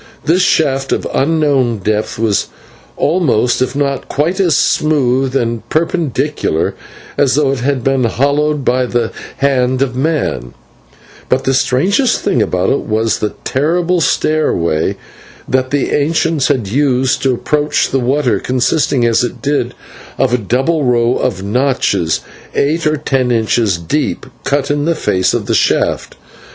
This shaft, of unknown depth, was almost if not quite as smooth and perpendicular as though it had been hollowed by the hand of man, but the strangest thing about it was the terrible stairway that the ancients had used to approach the water, consisting, as it did, of a double row of notches eight or ten inches deep, cut in the surface of the shaft.